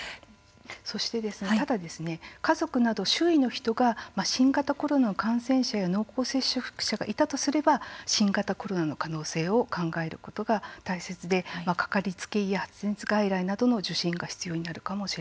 ただ、家族など周囲の人が新型コロナの感染者や濃厚接触者がいたとすれば新型コロナの可能性を考えることが大切で掛かりつけ医や、発熱外来などの受診が必要になるかもしれません。